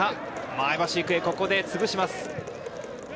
前橋育英、ここでつぶします。